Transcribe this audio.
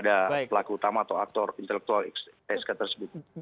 dari pada laki utama atau aktor intelektual tsk tersebut